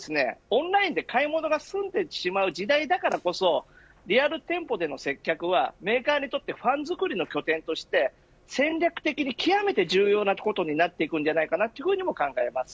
オンラインで買い物が済んでしまう時代だからこそリアル店舗での接客はメーカーにとってファンづくりの拠点として戦略的に極めて重要なことになります。